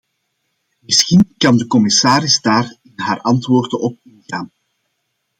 Misschien kan de commissaris daar in haar antwoorden op ingaan.